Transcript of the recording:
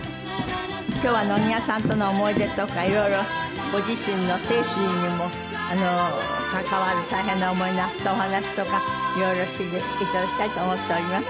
今日は野際さんとの思い出とか色々ご自身の生死にもかかわる大変な思いなすったお話とか色々して頂きたいと思っております。